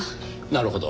なるほど。